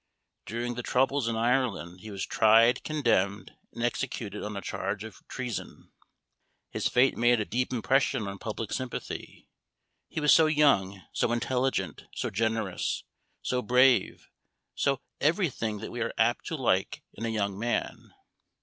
During the troubles in Ireland, he was tried, condemned, and executed, on a charge of treason. His fate made a deep impression on public sympathy. He was so young so intelligent so generous so brave so every thing that we are apt to like in a young man.